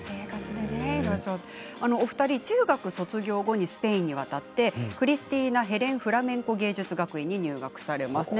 お二人は中学卒業後にスペインに渡ってクリスティーナヘレンフラメンコ芸術学院に入学されました。